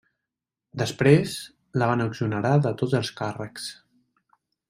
Després, la van exonerar de tots els càrrecs.